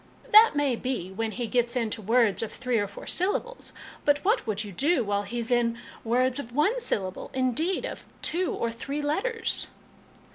" That may be, when he gets into words of three or four syllables ; but what would you do while he's in words of one syllable indeed, of two or three letters?"